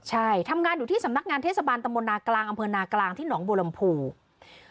ใช่ทำงานอยู่ที่สำนักงานเทศบาลตำบลนากลางอำเภอนากลางที่หนองบัวลำภู